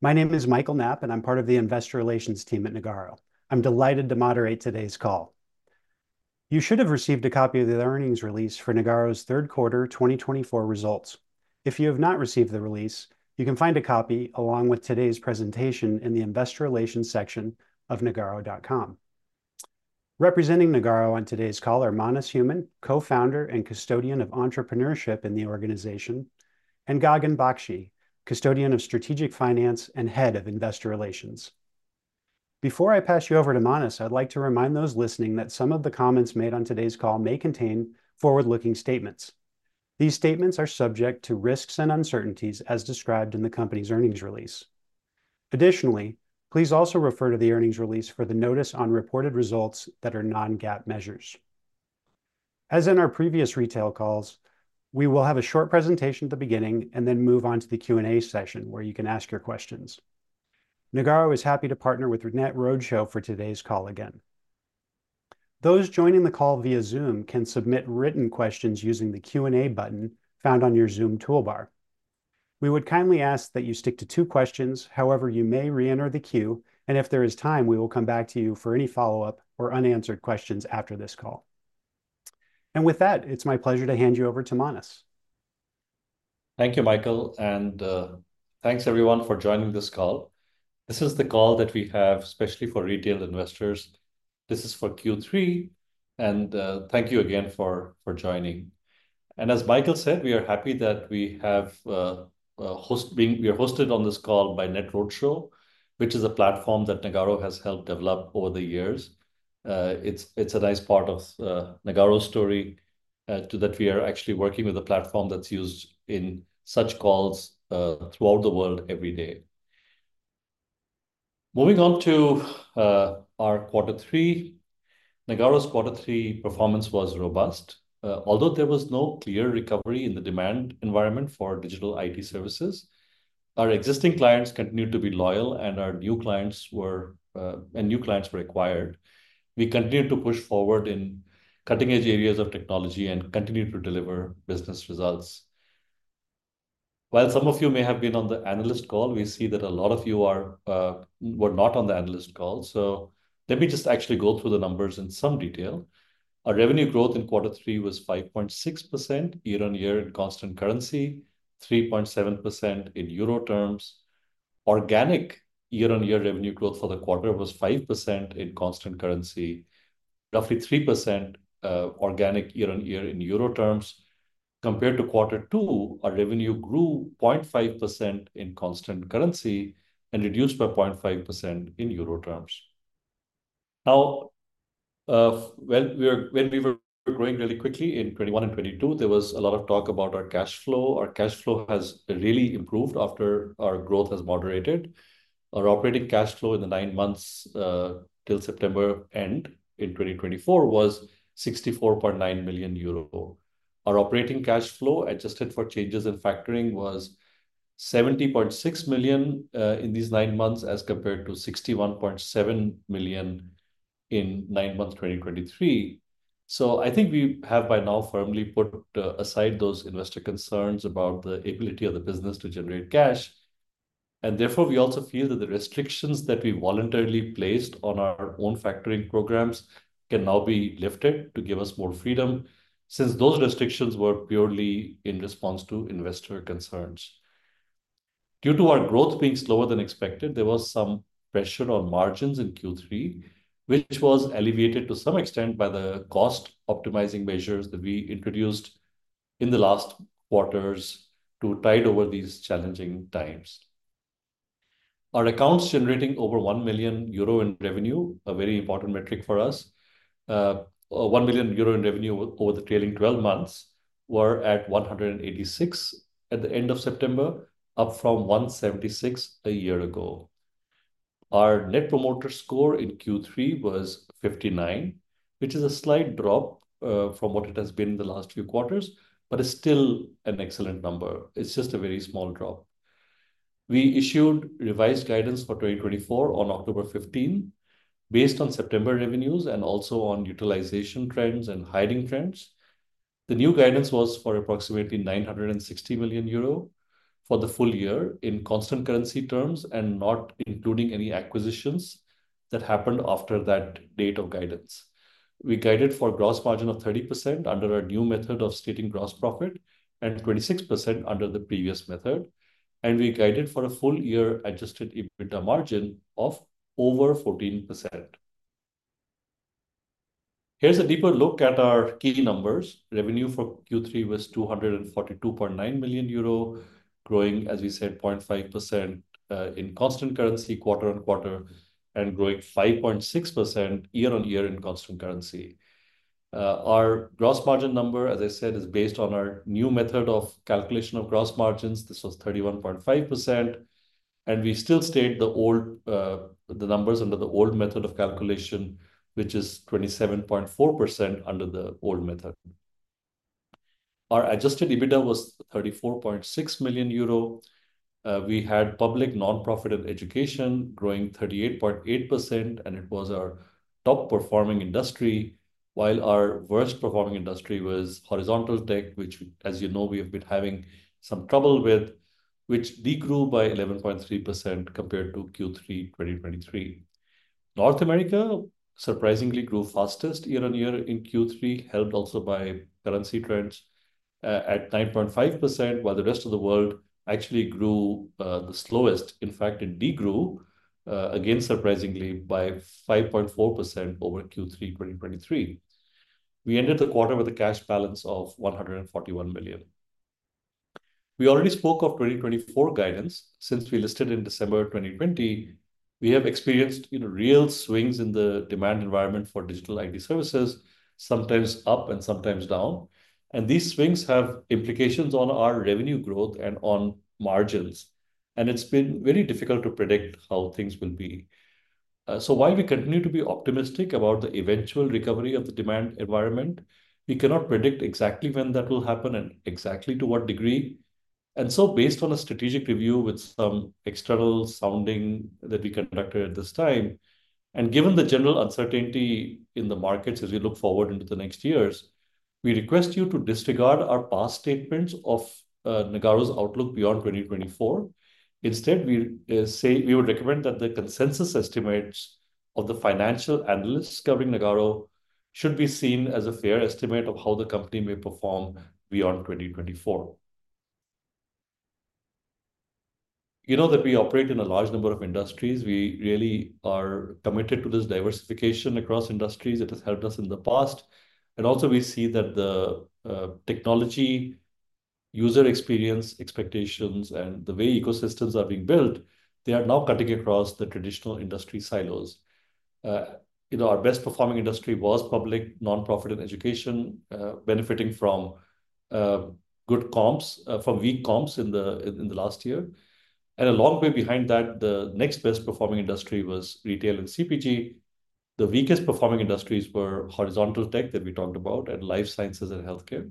My name is Michael Knapp, and I'm part of the Investor Relations team at Nagarro. I'm delighted to moderate today's call. You should have received a copy of the earnings release for Nagarro's third quarter 2024 results. If you have not received the release, you can find a copy along with today's presentation in the Investor Relations section of nagarro.com. Representing Nagarro on today's call are Manas Human, co-founder and custodian of entrepreneurship in the organization, and Gagan Bakshi, custodian of strategic finance and head of investor relations. Before I pass you over to Manas, I'd like to remind those listening that some of the comments made on today's call may contain forward-looking statements. These statements are subject to risks and uncertainties, as described in the company's earnings release. Additionally, please also refer to the earnings release for the notice on reported results that are Non-GAAP measures. As in our previous retail calls, we will have a short presentation at the beginning and then move on to the Q&A session where you can ask your questions. Nagarro is happy to partner with NetRoadshow for today's call again. Those joining the call via Zoom can submit written questions using the Q&A button found on your Zoom toolbar. We would kindly ask that you stick to two questions. However, you may re-enter the queue, and if there is time, we will come back to you for any follow-up or unanswered questions after this call, and with that, it's my pleasure to hand you over to Manas. Thank you, Michael, and thanks everyone for joining this call. This is the call that we have especially for retail investors. This is for Q3, and thank you again for joining. As Michael said, we are happy that we are hosted on this call by Netroadshow, which is a platform that Nagarro has helped develop over the years. It's a nice part of Nagarro's story that we are actually working with a platform that's used in such calls throughout the world every day. Moving on to our quarter three, Nagarro's quarter three performance was robust. Although there was no clear recovery in the demand environment for digital IT services, our existing clients continued to be loyal, and our new clients were acquired. We continued to push forward in cutting-edge areas of technology and continue to deliver business results. While some of you may have been on the analyst call, we see that a lot of you were not on the analyst call. So let me just actually go through the numbers in some detail. Our revenue growth in quarter three was 5.6% year-on-year in constant currency, 3.7% in euro terms. Organic year-on-year revenue growth for the quarter was 5% in constant currency, roughly 3% organic year-on-year in euro terms. Compared to quarter two, our revenue grew 0.5% in constant currency and reduced by 0.5% in euro terms. Now, when we were growing really quickly in 2021 and 2022, there was a lot of talk about our cash flow. Our cash flow has really improved after our growth has moderated. Our operating cash flow in the nine months till September end in 2024 was 64.9 million euro. Our operating cash flow, adjusted for changes in factoring, was 70.6 million in these nine months as compared to 61.7 million in nine months 2023. So I think we have by now firmly put aside those investor concerns about the ability of the business to generate cash. And therefore, we also feel that the restrictions that we voluntarily placed on our own factoring programs can now be lifted to give us more freedom since those restrictions were purely in response to investor concerns. Due to our growth being slower than expected, there was some pressure on margins in Q3, which was alleviated to some extent by the cost-optimizing measures that we introduced in the last quarters to tide over these challenging times. Our accounts generating over 1 million euro in revenue, a very important metric for us, 1 million euro in revenue over the trailing 12 months were at 186 at the end of September, up from 176 a year ago. Our Net Promoter Score in Q3 was 59, which is a slight drop from what it has been in the last few quarters, but it's still an excellent number. It's just a very small drop. We issued revised guidance for 2024 on October 15, based on September revenues and also on utilization trends and hiring trends. The new guidance was for approximately 960 million euro for the full year in constant currency terms and not including any acquisitions that happened after that date of guidance. We guided for a gross margin of 30% under our new method of stating gross profit and 26% under the previous method. We guided for a full-year Adjusted EBITDA margin of over 14%. Here's a deeper look at our key numbers. Revenue for Q3 was 242.9 million euro, growing, as we said, 0.5% in constant currency quarter on quarter and growing 5.6% year-on-year in constant currency. Our gross margin number, as I said, is based on our new method of calculation of gross margins. This was 31.5%. We still state the numbers under the old method of calculation, which is 27.4% under the old method. Our Adjusted EBITDA was 34.6 million euro. We had Public, Non-Profit & Education growing 38.8%, and it was our top-performing industry, while our worst-performing industry was Horizontal Tech, which, as you know, we have been having some trouble with, which degrew by 11.3% compared to Q3 2023. North America, surprisingly, grew fastest year-on-year in Q3, helped also by currency trends at 9.5%, while the Rest of the World actually grew the slowest. In fact, it degrew, again, surprisingly, by 5.4% over Q3 2023. We ended the quarter with a cash balance of 141 million. We already spoke of 2024 guidance. Since we listed in December 2020, we have experienced real swings in the demand environment for digital IT services, sometimes up and sometimes down. And these swings have implications on our revenue growth and on margins. And it's been very difficult to predict how things will be. So while we continue to be optimistic about the eventual recovery of the demand environment, we cannot predict exactly when that will happen and exactly to what degree. And so, based on a strategic review with some external sounding that we conducted at this time, and given the general uncertainty in the markets as we look forward into the next years, we request you to disregard our past statements of Nagarro's outlook beyond 2024. Instead, we would recommend that the consensus estimates of the financial analysts covering Nagarro should be seen as a fair estimate of how the company may perform beyond 2024. You know that we operate in a large number of industries. We really are committed to this diversification across industries. It has helped us in the past. And also, we see that the technology user experience expectations and the way ecosystems are being built. They are now cutting across the traditional industry silos. Our best-performing industry was public nonprofit and education, benefiting from good comps from weak comps in the last year. And a long way behind that, the next best-performing industry was Retail & CPG. The weakest-performing industries were Horizontal tech that we talked about and Life Sciences & Healthcare.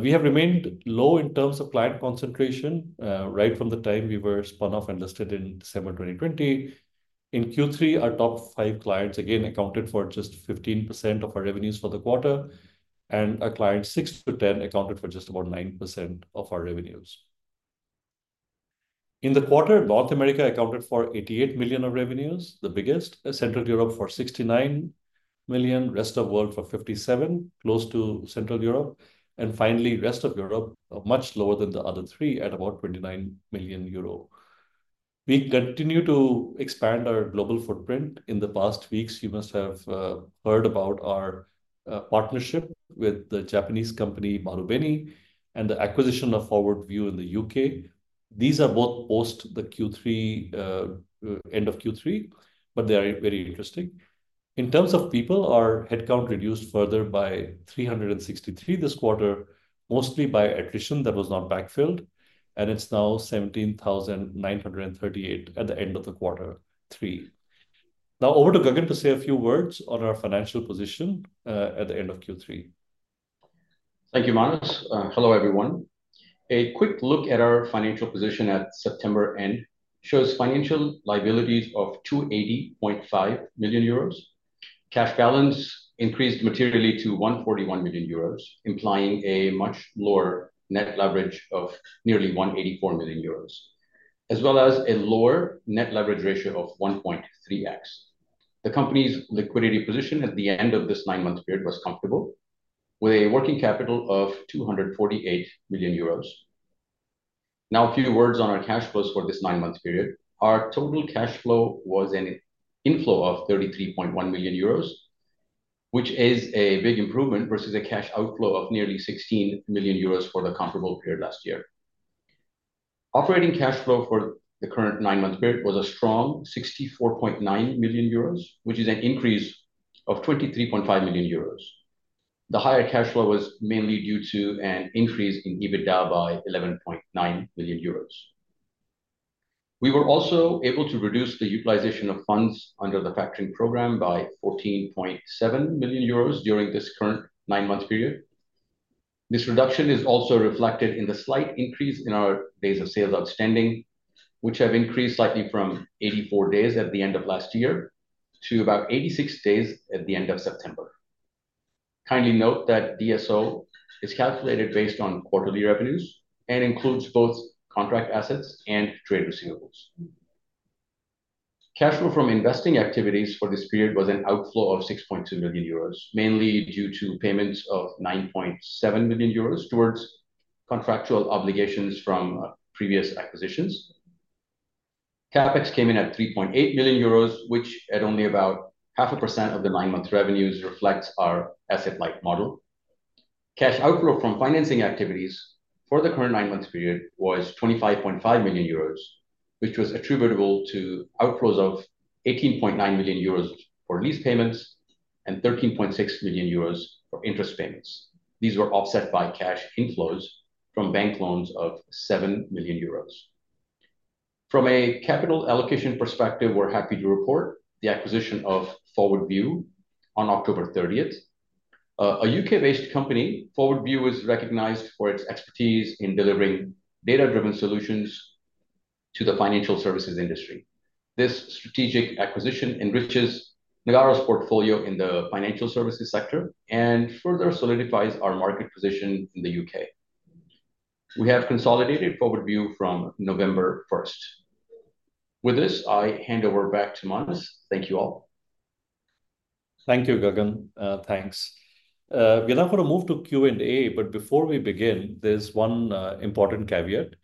We have remained low in terms of client concentration right from the time we were spun off and listed in December 2020. In Q3, our top five clients, again, accounted for just 15% of our revenues for the quarter, and our clients six to 10 accounted for just about 9% of our revenues. In the quarter, North America accounted for 88 million of revenues, the biggest, Central Europe for 69 million, Rest of the world for 57 million, close to Central Europe, and finally, Rest of Europe much lower than the other three at about 29 million euro. We continue to expand our global footprint. In the past weeks, you must have heard about our partnership with the Japanese company Marubeni and the acquisition of ForwardView in the U.K. These are both post the end of Q3, but they are very interesting. In terms of people, our headcount reduced further by 363 this quarter, mostly by attrition that was not backfilled, and it's now 17,938 at the end of the quarter three. Now, over to Gagan to say a few words on our financial position at the end of Q3. Thank you, Manas. Hello, everyone. A quick look at our financial position at September end shows financial liabilities of 280.5 million euros. Cash balance increased materially to 141 million euros, implying a much lower net leverage of nearly 184 million euros, as well as a lower net leverage ratio of 1.3x. The company's liquidity position at the end of this nine-month period was comfortable, with a working capital of 248 million euros. Now, a few words on our cash flows for this nine-month period. Our total cash flow was an inflow of 33.1 million euros, which is a big improvement versus a cash outflow of nearly 16 million euros for the comparable period last year. Operating cash flow for the current nine-month period was a strong 64.9 million euros, which is an increase of 23.5 million euros. The higher cash flow was mainly due to an increase in EBITDA by 11.9 million euros. We were also able to reduce the utilization of funds under the factoring program by 14.7 million euros during this current nine-month period. This reduction is also reflected in the slight increase in our days of sales outstanding, which have increased slightly from 84 days at the end of last year to about 86 days at the end of September. Kindly note that DSO is calculated based on quarterly revenues and includes both contract assets and trade receivables. Cash flow from investing activities for this period was an outflow of 6.2 million euros, mainly due to payments of 9.7 million euros towards contractual obligations from previous acquisitions. CapEx came in at 3.8 million euros, which at only about 0.5% of the nine-month revenues reflects our asset-like model. Cash outflow from financing activities for the current nine-month period was 25.5 million euros, which was attributable to outflows of 18.9 million euros for lease payments and 13.6 million euros for interest payments. These were offset by cash inflows from bank loans of 7 million euros. From a capital allocation perspective, we're happy to report the acquisition of ForwardView on October 30. A U.K.-based company, ForwardView, is recognized for its expertise in delivering data-driven solutions to the financial services industry. This strategic acquisition enriches Nagarro's portfolio in the financial services sector and further solidifies our market position in the U.K. We have consolidated ForwardView from November 1st. With this, I hand over back to Manas. Thank you all. Thank you, Gagan. Thanks. We're now going to move to Q&A, but before we begin, there's one important caveat.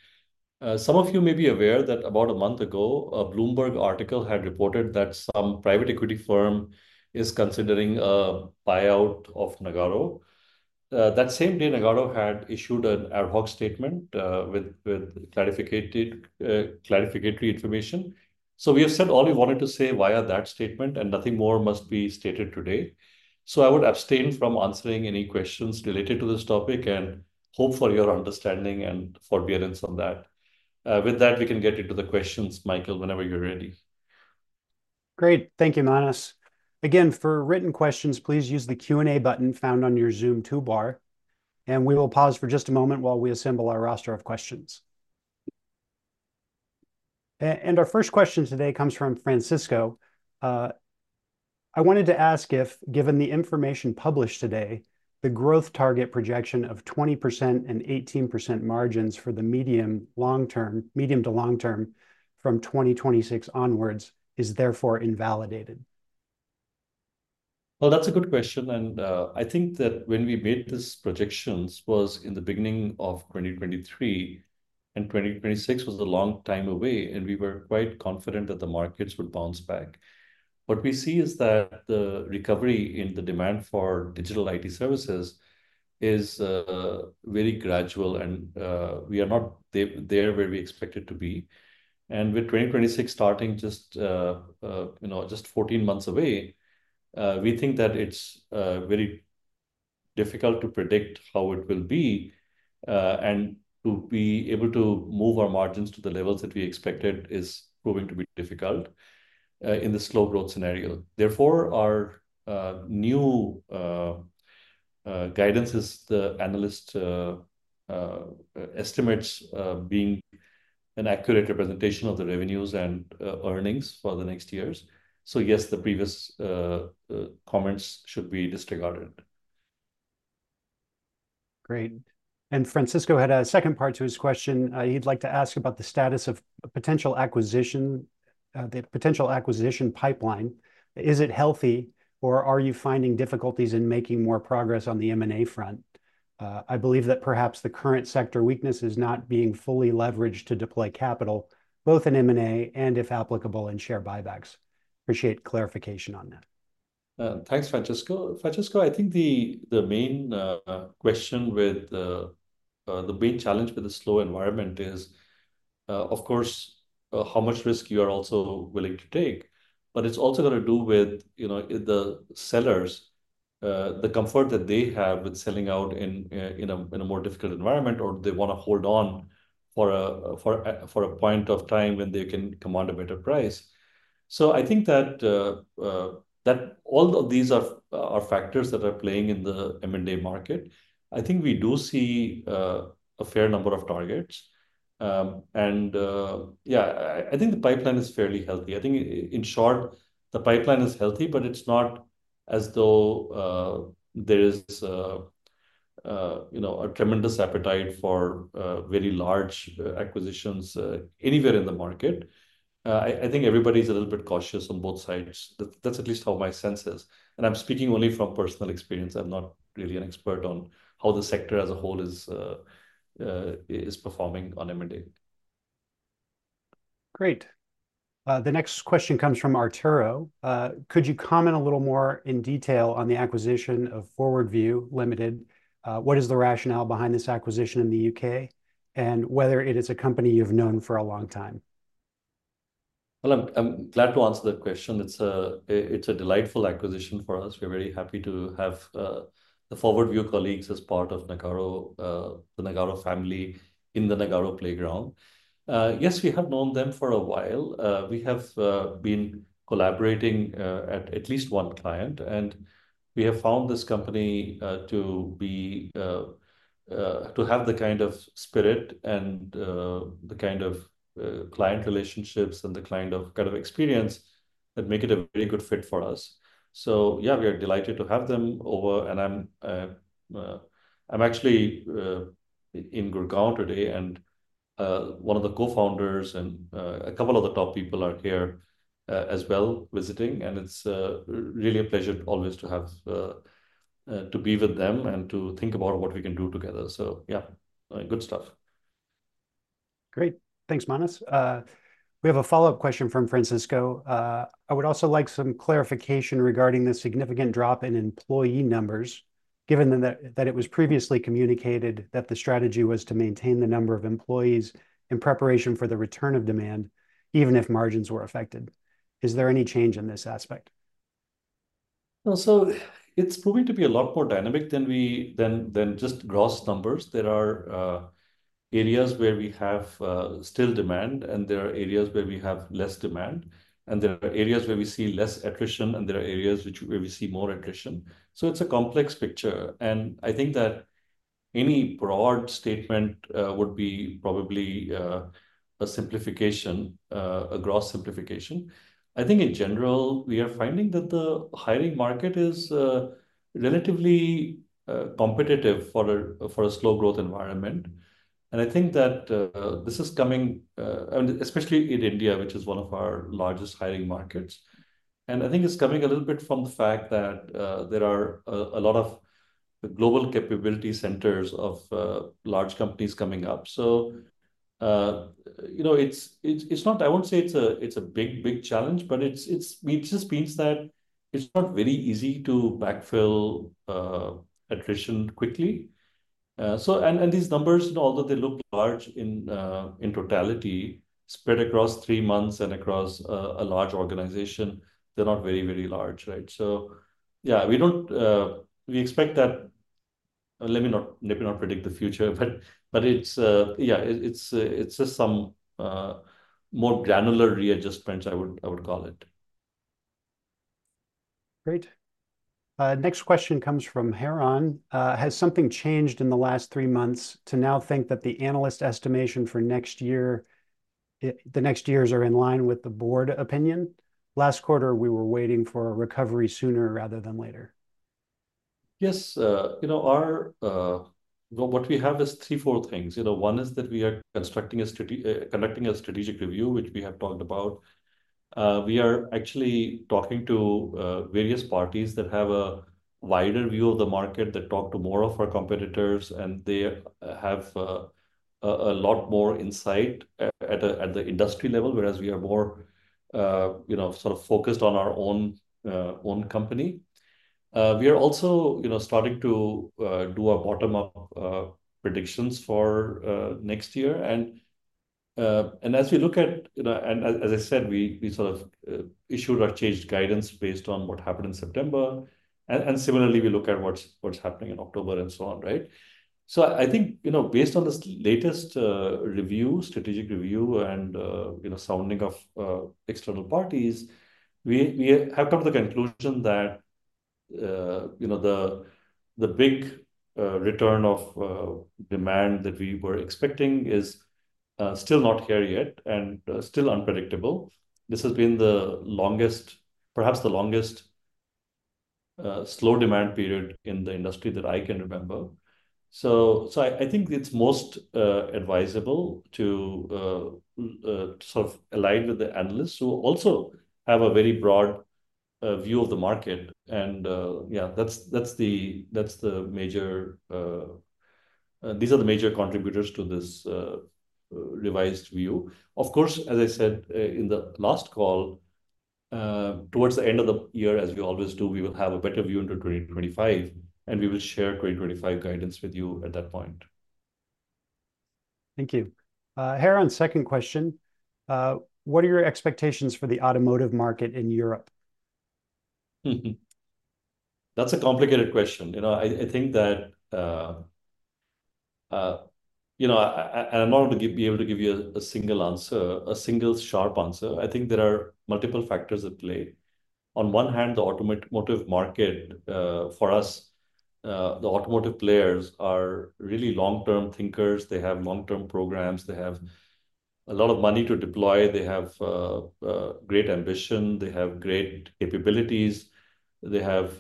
Some of you may be aware that about a month ago, a Bloomberg article had reported that some private equity firm is considering a buyout of Nagarro. That same day, Nagarro had issued an ad hoc statement with clarificatory information. So we have said all we wanted to say via that statement, and nothing more must be stated today. So I would abstain from answering any questions related to this topic and hope for your understanding and forbearance on that. With that, we can get into the questions, Michael, whenever you're ready. Great. Thank you, Manas. Again, for written questions, please use the Q&A button found on your Zoom toolbar, and we will pause for just a moment while we assemble our roster of questions, and our first question today comes from Francisco. I wanted to ask if, given the information published today, the growth target projection of 20% and 18% margins for the medium to long term from 2026 onwards is therefore invalidated? That's a good question. And I think that when we made these projections was in the beginning of 2023 and 2026 was a long time away, and we were quite confident that the markets would bounce back. What we see is that the recovery in the demand for digital IT services is very gradual, and we are not there where we expected to be. And with 2026 starting just 14 months away, we think that it's very difficult to predict how it will be. And to be able to move our margins to the levels that we expected is proving to be difficult in the slow growth scenario. Therefore, our new guidance is the analyst estimates being an accurate representation of the revenues and earnings for the next years. So yes, the previous comments should be disregarded. Great, and Francisco had a second part to his question. He'd like to ask about the status of potential acquisition, the potential acquisition pipeline. Is it healthy, or are you finding difficulties in making more progress on the M&A front? I believe that perhaps the current sector weakness is not being fully leveraged to deploy capital, both in M&A and, if applicable, in share buybacks. Appreciate clarification on that. Thanks, Francisco. Francisco, I think the main question with the main challenge with the slow environment is, of course, how much risk you are also willing to take. But it's also got to do with the sellers, the comfort that they have with selling out in a more difficult environment, or they want to hold on for a point of time when they can command a better price. So I think that all of these are factors that are playing in the M&A market. I think we do see a fair number of targets. And yeah, I think the pipeline is fairly healthy. I think, in short, the pipeline is healthy, but it's not as though there is a tremendous appetite for very large acquisitions anywhere in the market. I think everybody's a little bit cautious on both sides. That's at least how my sense is. I'm speaking only from personal experience. I'm not really an expert on how the sector as a whole is performing on M&A. Great. The next question comes from Arturo. Could you comment a little more in detail on the acquisition of ForwardView Limited? What is the rationale behind this acquisition in the U.K. and whether it is a company you've known for a long time? I'm glad to answer that question. It's a delightful acquisition for us. We're very happy to have the ForwardView colleagues as part of the Nagarro family in the Nagarro playground. Yes, we have known them for a while. We have been collaborating at least one client, and we have found this company to have the kind of spirit and the kind of client relationships and the kind of experience that make it a very good fit for us. Yeah, we are delighted to have them over. I'm actually in Gurgaon today, and one of the co-founders and a couple of the top people are here as well visiting. It's really a pleasure always to be with them and to think about what we can do together. Yeah, good stuff. Great. Thanks, Manas. We have a follow-up question from Francisco. I would also like some clarification regarding the significant drop in employee numbers, given that it was previously communicated that the strategy was to maintain the number of employees in preparation for the return of demand, even if margins were affected. Is there any change in this aspect? Well, so it's proving to be a lot more dynamic than just gross numbers. There are areas where we have still demand, and there are areas where we have less demand, and there are areas where we see less attrition, and there are areas where we see more attrition, so it's a complex picture, and I think that any broad statement would be probably a simplification, a gross simplification. I think in general, we are finding that the hiring market is relatively competitive for a slow growth environment, and I think that this is coming, especially in India, which is one of our largest hiring markets, and I think it's coming a little bit from the fact that there are a lot of global capability centers of large companies coming up. So it's not. I won't say it's a big, big challenge, but it just means that it's not very easy to backfill attrition quickly. And these numbers, although they look large in totality, spread across three months and across a large organization, they're not very, very large. So yeah, we expect that. Let me not predict the future, but yeah, it's just some more granular readjustments, I would call it. Great. Next question comes from Haran. Has something changed in the last three months to now think that the analyst estimation for next year, the next years are in line with the board opinion? Last quarter, we were waiting for a recovery sooner rather than later. Yes. What we have is three, four things. One is that we are conducting a strategic review, which we have talked about. We are actually talking to various parties that have a wider view of the market, that talk to more of our competitors, and they have a lot more insight at the industry level, whereas we are more sort of focused on our own company. We are also starting to do our bottom-up predictions for next year, and as we look at, and as I said, we sort of issued our changed guidance based on what happened in September, and similarly, we look at what's happening in October and so on, right? I think based on this latest review, strategic review, and sounding of external parties, we have come to the conclusion that the big return of demand that we were expecting is still not here yet and still unpredictable. This has been the longest, perhaps, slow demand period in the industry that I can remember. I think it's most advisable to sort of align with the analysts who also have a very broad view of the market. And yeah, that's the major. These are the major contributors to this revised view. Of course, as I said in the last call, toward the end of the year, as we always do, we will have a better view into 2025, and we will share 2025 guidance with you at that point. Thank you. Haran, second question. What are your expectations for the automotive market in Europe? That's a complicated question. I think that, and I'm not going to be able to give you a single answer, a single sharp answer. I think there are multiple factors at play. On one hand, the automotive market for us, the automotive players are really long-term thinkers. They have long-term programs. They have a lot of money to deploy. They have great ambition. They have great capabilities. They have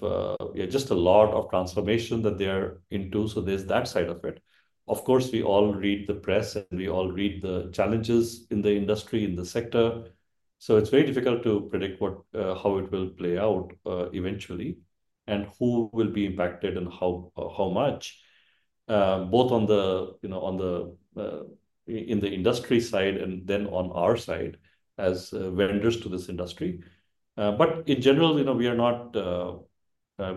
just a lot of transformation that they are into. So there's that side of it. Of course, we all read the press, and we all read the challenges in the industry, in the sector. So it's very difficult to predict how it will play out eventually and who will be impacted and how much, both in the industry side and then on our side as vendors to this industry. But in general, we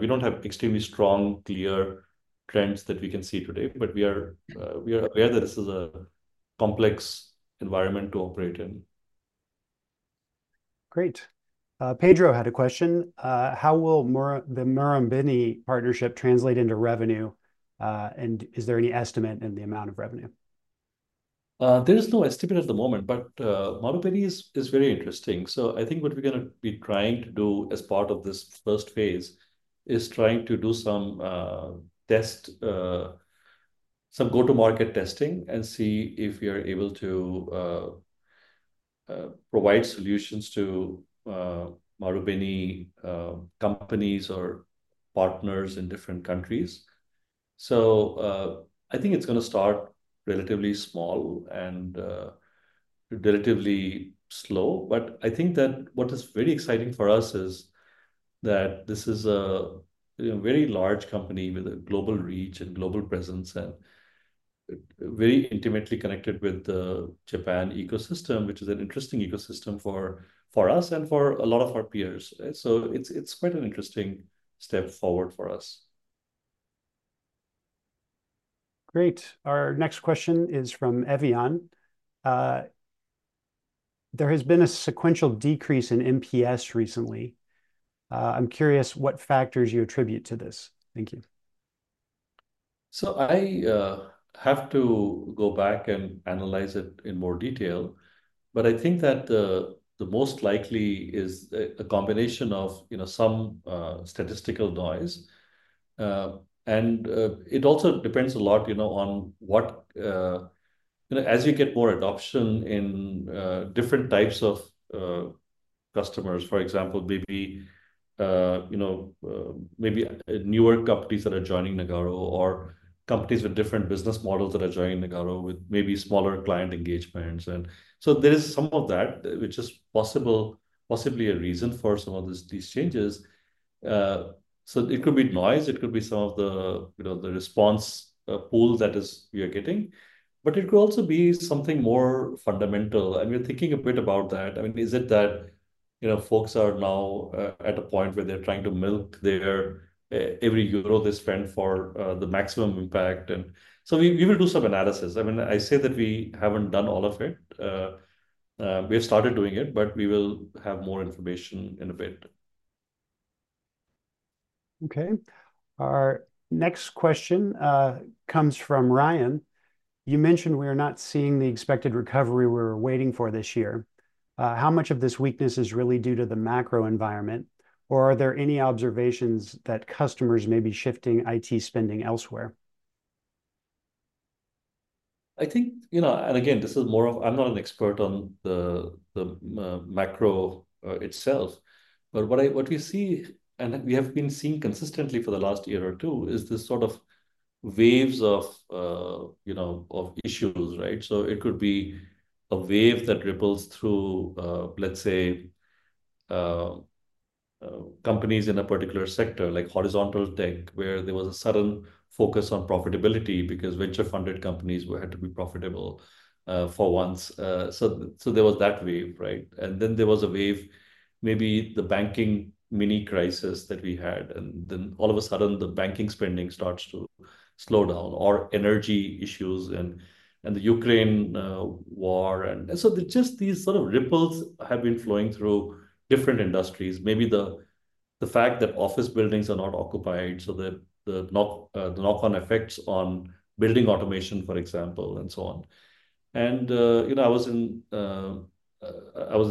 don't have extremely strong, clear trends that we can see today, but we are aware that this is a complex environment to operate in. Great. Pedro had a question. How will the Marubeni partnership translate into revenue, and is there any estimate in the amount of revenue? There is no estimate at the moment, but Marubeni is very interesting. So I think what we're going to be trying to do as part of this first phase is trying to do some go to market testing and see if we are able to provide solutions to Marubeni companies or partners in different countries. So I think it's going to start relatively small and relatively slow. But I think that what is very exciting for us is that this is a very large company with a global reach and global presence and very intimately connected with the Japan ecosystem, which is an interesting ecosystem for us and for a lot of our peers. So it's quite an interesting step forward for us. Great. Our next question is from Evian. There has been a sequential decrease in NPS recently. I'm curious what factors you attribute to this. Thank you. So I have to go back and analyze it in more detail, but I think that the most likely is a combination of some statistical noise. And it also depends a lot on what, as you get more adoption in different types of customers, for example, maybe newer companies that are joining Nagarro or companies with different business models that are joining Nagarro with maybe smaller client engagements. And so there is some of that, which is possibly a reason for some of these changes. So it could be noise. It could be some of the response pool that we are getting. But it could also be something more fundamental. And we're thinking a bit about that. I mean, is it that folks are now at a point where they're trying to milk every euro they spend for the maximum impact? And so we will do some analysis. I mean, I say that we haven't done all of it. We have started doing it, but we will have more information in a bit. Okay. Our next question comes from Ryan. You mentioned we are not seeing the expected recovery we're waiting for this year. How much of this weakness is really due to the macro environment, or are there any observations that customers may be shifting IT spending elsewhere? I think, and again, this is more of, I'm not an expert on the macro itself. But what we see, and we have been seeing consistently for the last year or two, is this sort of waves of issues, right? So it could be a wave that ripples through, let's say, companies in a particular sector, like horizontal tech, where there was a sudden focus on profitability because venture-funded companies had to be profitable for once. So there was that wave, right? And then there was a wave, maybe the banking mini crisis that we had. And then all of a sudden, the banking spending starts to slow down or energy issues and the Ukraine war. And so just these sort of ripples have been flowing through different industries, maybe the fact that office buildings are not occupied, so the knock-on effects on building automation, for example, and so on. And I was in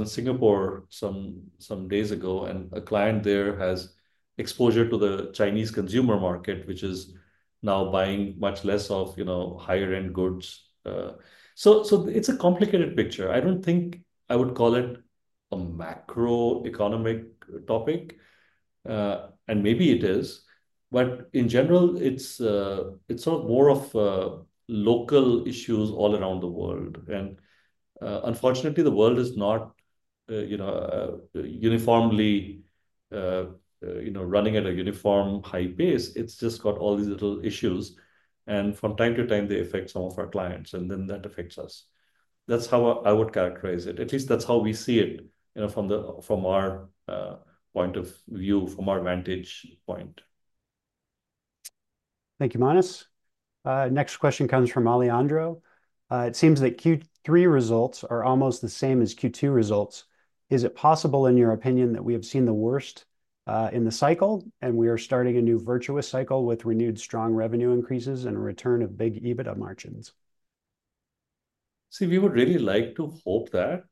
Singapore some days ago, and a client there has exposure to the Chinese consumer market, which is now buying much less of higher-end goods. So it's a complicated picture. I don't think I would call it a macroeconomic topic, and maybe it is. But in general, it's sort of more of local issues all around the world. And unfortunately, the world is not uniformly running at a uniform high pace. It's just got all these little issues. And from time to time, they affect some of our clients, and then that affects us. That's how I would characterize it. At least that's how we see it from our point of view, from our vantage point. Thank you, Manas. Next question comes from Alejandro. It seems that Q3 results are almost the same as Q2 results. Is it possible, in your opinion, that we have seen the worst in the cycle and we are starting a new virtuous cycle with renewed strong revenue increases and a return of big EBITDA margins? See, we would really like to hope that.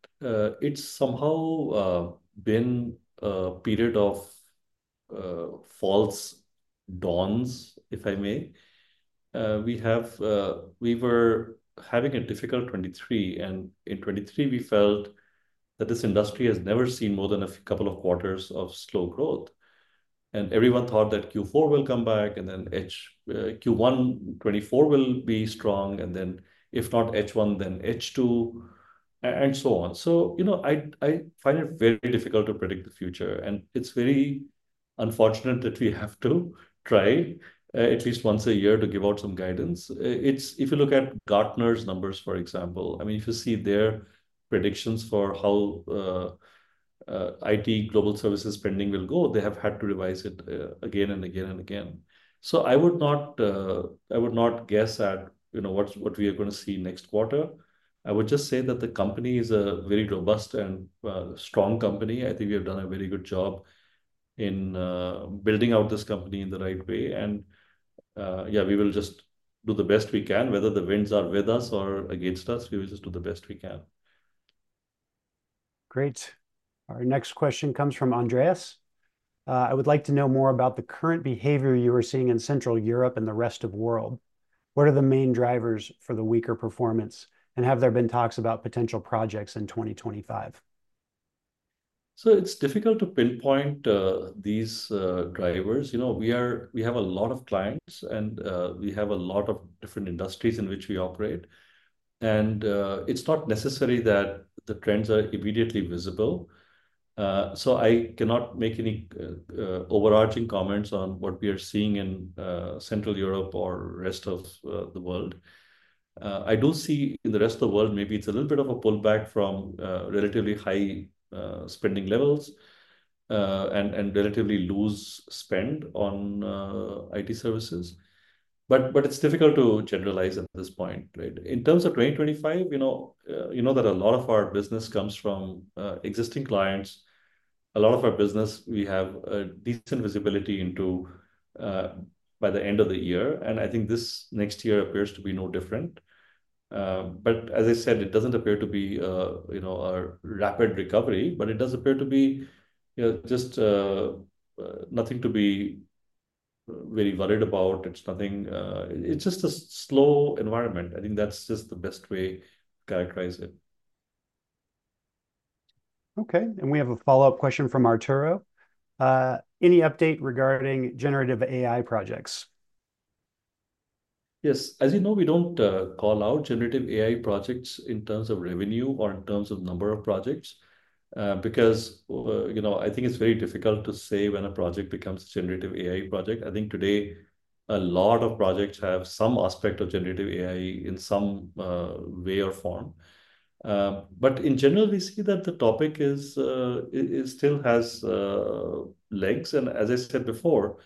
It's somehow been a period of false dawns, if I may. We were having a difficult 2023. And in 2023, we felt that this industry has never seen more than a couple of quarters of slow growth. And everyone thought that Q4 will come back and then Q1 2024 will be strong. And then if not H1, then H2 and so on. So I find it very difficult to predict the future. And it's very unfortunate that we have to try at least once a year to give out some guidance. If you look at Gartner's numbers, for example, I mean, if you see their predictions for how IT global services spending will go, they have had to revise it again and again and again. So I would not guess at what we are going to see next quarter. I would just say that the company is a very robust and strong company. I think we have done a very good job in building out this company in the right way. And yeah, we will just do the best we can. Whether the winds are with us or against us, we will just do the best we can. Great. Our next question comes from Andreas. I would like to know more about the current behavior you are seeing in Central Europe and the rest of the world. What are the main drivers for the weaker performance? And have there been talks about potential projects in 2025? It's difficult to pinpoint these drivers. We have a lot of clients, and we have a lot of different industries in which we operate. It's not necessary that the trends are immediately visible. I cannot make any overarching comments on what we are seeing in Central Europe or rest of the world. I do see in the rest of the world, maybe it's a little bit of a pullback from relatively high spending levels and relatively loose spend on IT services. It's difficult to generalize at this point. In terms of 2025, you know that a lot of our business comes from existing clients. A lot of our business, we have decent visibility into by the end of the year. I think this next year appears to be no different. But as I said, it doesn't appear to be a rapid recovery, but it does appear to be just nothing to be very worried about. It's just a slow environment. I think that's just the best way to characterize it. Okay, and we have a follow-up question from Arturo. Any update regarding Generative AI projects? Yes. As you know, we don't call out Generative AI projects in terms of revenue or in terms of number of projects because I think it's very difficult to say when a project becomes a Generative AI project. I think today, a lot of projects have some aspect of Generative AI in some way or form. But in general, we see that the topic still has legs. And as I said before,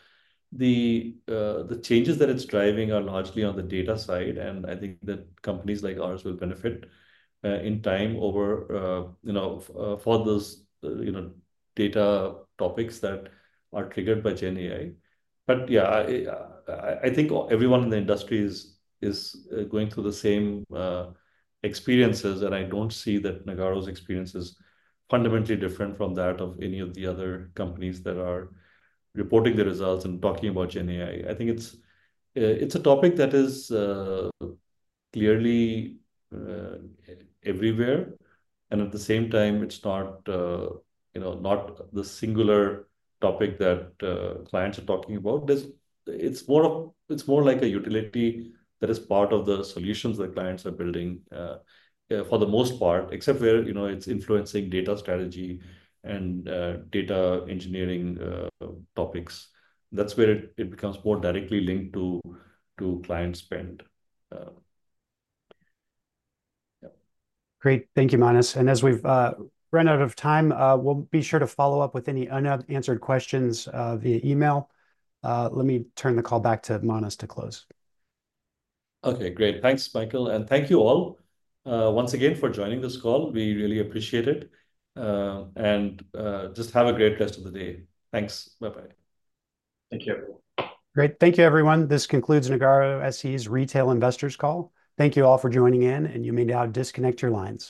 the changes that it's driving are largely on the data side. And I think that companies like ours will benefit in time for those data topics that are triggered by GenAI. But yeah, I think everyone in the industry is going through the same experiences. And I don't see that Nagarro's experience is fundamentally different from that of any of the other companies that are reporting the results and talking about GenAI. I think it's a topic that is clearly everywhere. And at the same time, it's not the singular topic that clients are talking about. It's more like a utility that is part of the solutions that clients are building for the most part, except where it's influencing data strategy and data engineering topics. That's where it becomes more directly linked to client spend. Great. Thank you, Manas. And as we've run out of time, we'll be sure to follow up with any unanswered questions via email. Let me turn the call back to Manas to close. Okay. Great. Thanks, Michael. And thank you all once again for joining this call. We really appreciate it. And just have a great rest of the day. Thanks. Bye-bye. Thank you. Great. Thank you, everyone. This concludes Nagarro SE's retail investors call. Thank you all for joining in, and you may now disconnect your lines.